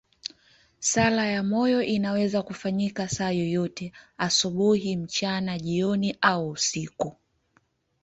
Sala ya moyo inaweza kufanyika saa yoyote, asubuhi, mchana, jioni au usiku.